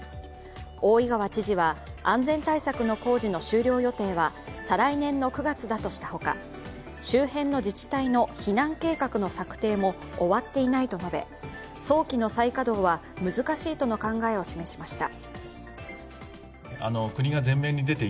大井川知事は、安全対策の工事の終了予定は再来年の９月だとしたほか、周辺の自治体の避難計画の策定も終わっていないと述べ早期の再稼働は難しいとの考えを示しました。